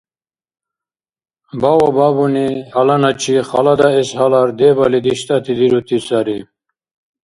Баобабуни гьаланачи, халадаэс гьалар, дебали диштӀати дирути сари.